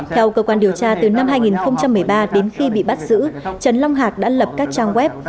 theo cơ quan điều tra từ năm hai nghìn một mươi ba đến khi bị bắt giữ trần long đã lập các trang web